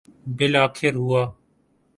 بالآخر ہوا۔